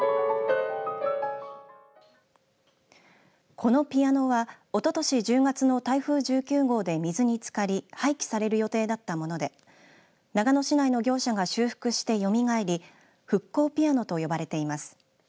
このピアノはおととし１０月の台風１９号で水につかり廃棄される予定だったもので長野市内の業者が修復してよみがえり復興ピアノと呼ばれています。